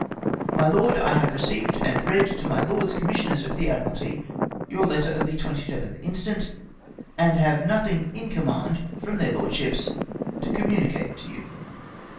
My Lord, — I have received and read to my Lords Com missioners of the Admiralty your letter of the 27th inst., and have nothing in command from their Lordships to communi cate to you.